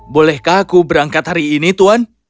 bolehkah aku berangkat hari ini tuan